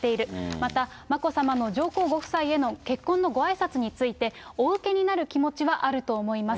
また、眞子さまの上皇ご夫妻への結婚のごあいさつについて、お受けになる気持ちはあると思います。